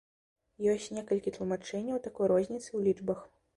Ёсць некалькі тлумачэнняў такой розніцы ў лічбах.